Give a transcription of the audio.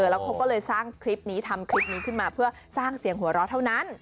แล้วเขาก็เลยทำคลิปนี้ได้เพื่อสร้างเสียงหัวเราะเท่านั้น